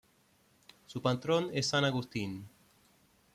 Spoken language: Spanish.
Su patrón es San Agustín.